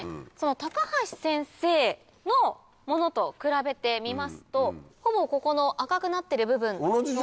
高橋先生のものと比べてみますとほぼここの赤くなってる部分の割合は。